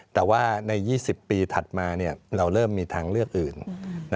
แต่ว่าใน๒๐ปีถัดมาเราเริ่มมีทางเลือกอื่น